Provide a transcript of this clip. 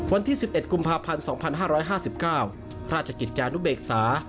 วันที่๑๑กุมภาพันธ์๒๕๕๙พระราชกิจจานุเบกษา